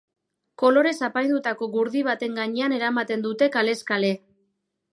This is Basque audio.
Kolorez apaindutako gurdi baten gainean eramaten dute kalez kale.